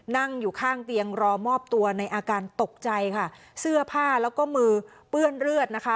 นั่งอยู่ข้างเตียงรอมอบตัวในอาการตกใจค่ะเสื้อผ้าแล้วก็มือเปื้อนเลือดนะคะ